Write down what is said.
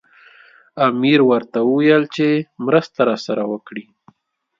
امیر ورته وویل چې مرسته راسره وکړي.